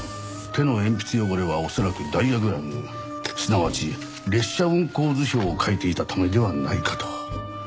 手の鉛筆汚れは恐らくダイヤグラムすなわち列車運行図表を描いていたためではないかと。